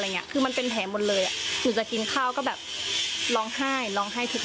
คือมันเป็นแผลหมดเลยอ่ะหนูจะกินข้าวก็แบบร้องไห้ร้องไห้ทุก